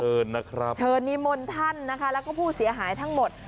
เชิญนะครับเชิญนิมนต์ท่านนะคะแล้วก็ผู้เสียหายทั้งหมด